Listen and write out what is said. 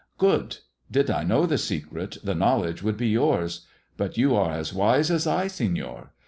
" Good. Did I know the secret, the knowledge would be yours. But you are as wise as I, Senor.